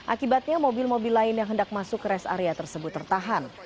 akibatnya mobil mobil lain yang hendak masuk ke rest area tersebut tertahan